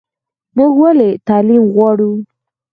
موږ ولې تعلیم غواړو؟